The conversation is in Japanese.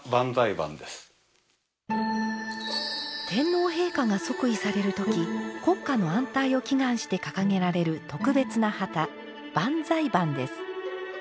天皇陛下が即位される時国家の安泰を祈願して掲げられる特別な旗万歳旛です。